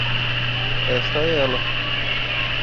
Esta é ela.